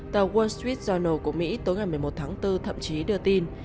tờ wall street journal của mỹ tối ngày một mươi một tháng bốn thậm chí đưa tin